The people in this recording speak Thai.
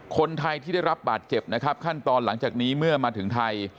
คนไทยที่ได้รับบาดเจ็บนะครับขั้นตอนหลังจากนี้เมื่อมาถึงไทย